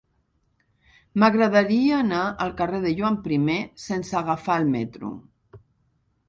M'agradaria anar al carrer de Joan I sense agafar el metro.